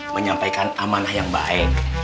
menyampaikan amanah yang baik